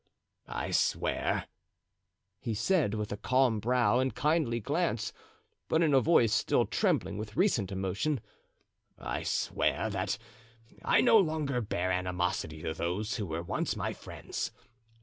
"I swear," he said, with a calm brow and kindly glance, but in a voice still trembling with recent emotion, "I swear that I no longer bear animosity to those who were once my friends.